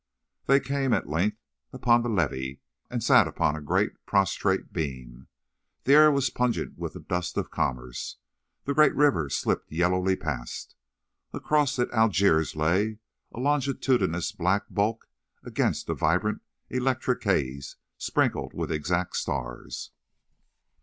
They came, at length, upon the levee, and sat upon a great, prostrate beam. The air was pungent with the dust of commerce. The great river slipped yellowly past. Across it Algiers lay, a longitudinous black bulk against a vibrant electric haze sprinkled with exact stars.